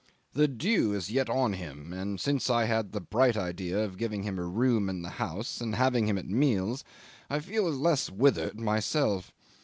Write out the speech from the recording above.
"The dew is yet on him, and since I had the bright idea of giving him a room in the house and having him at meals I feel less withered myself.